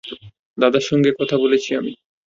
দাদার সাথে কথা বলেছি আমি।